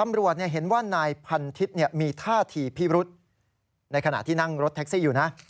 ตำรวจเห็นว่านายพันทิศมีท่าทีพิรุษในขณะที่นั่งรถแท็กซี่อยู่นะ